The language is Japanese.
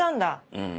うん。